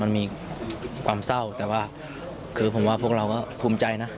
มันมีความเศร้าแต่ว่าคือผมว่าพวกเราก็ภูมิใจนะ